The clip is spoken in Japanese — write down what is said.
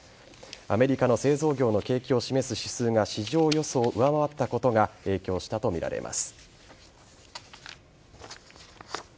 アメリカの製造業の景気を示す指数が市場予想を上回ったことが影響したとみられます。